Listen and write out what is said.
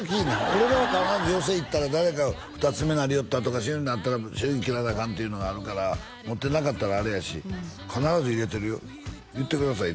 俺らは必ず寄席に行ったら誰か二ツ目なりよったとか真打ちになったら祝儀きらなアカンっていうのがあるから持ってなかったらあれやし必ず入れてるよ言ってください